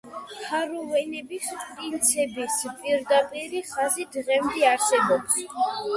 ჰანოვერების პრინცების პირდაპირი ხაზი დღემდე არსებობს.